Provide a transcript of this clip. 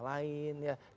jadi kita harus berharap